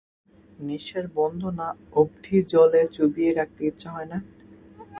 নিশ্বাস বন্ধ না অব্ধি জলে চুবিয়ে রাখতে ইচ্ছা হয় না?